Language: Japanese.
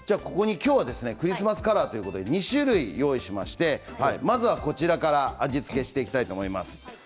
きょうはクリスマスカラーということで２種類用意しまして味付けしていきたいと思います。